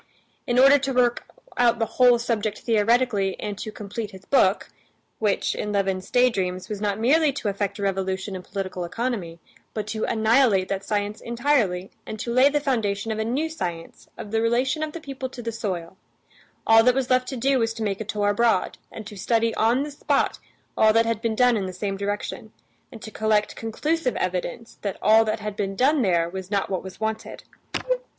In order to work out the whole subject theoretically and to complete his book, which, in Levin's daydreams, was not merely to effect a revolution in political economy, but to annihilate that science entirely and to lay the foundation of a new science of the relation of the people to the soil, all that was left to do was to make a tour abroad, and to study on the spot all that had been done in the same direction, and to collect conclusive evidence that all that had been done there was not what was wanted.